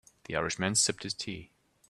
The Irish man sipped his tea.